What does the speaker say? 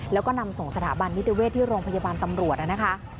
แล้วก็นำส่งสถาบันนิติเวศที่โรงพยาบาลตำรวจนะคะ